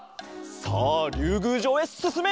さありゅうぐうじょうへすすめ。